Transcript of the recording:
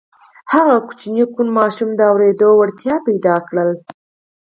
هغه کوچني کوڼ ماشوم د اورېدو وړتيا پيدا کړه.